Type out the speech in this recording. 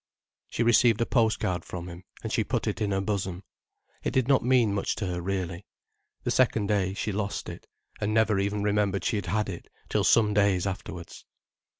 She received a post card from him, and she put it in her bosom. It did not mean much to her, really. The second day, she lost it, and never even remembered she had had it, till some days afterwards.